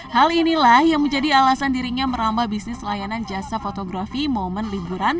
hal inilah yang menjadi alasan dirinya merambah bisnis layanan jasa fotografi momen liburan